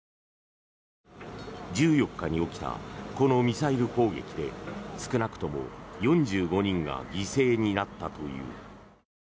１４日に起きたこのミサイル攻撃で少なくとも４５人が犠牲になったという。